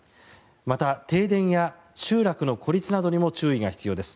また、停電や集落の孤立などにも注意が必要です。